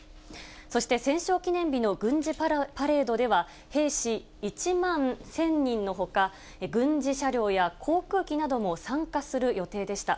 そして、戦勝記念日の軍事パレードでは、兵士１万１０００人のほか、軍事車両や航空機なども参加する予定でした。